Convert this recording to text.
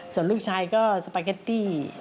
ส่วนลูกชายก็สปาเก็ตตี้